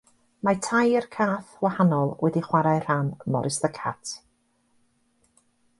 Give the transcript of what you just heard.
Mae tair cath wahanol wedi chwarae rhan Morris the Cat.